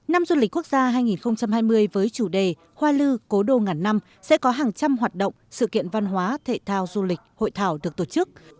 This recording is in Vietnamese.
năm du lịch quốc gia hai nghìn hai mươi với chủ đề hoa lư cố đô ngàn năm sẽ có hàng trăm hoạt động sự kiện văn hóa thể thao du lịch hội thảo được tổ chức